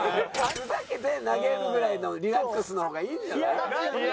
ふざけて投げるぐらいのリラックスの方がいいんじゃない？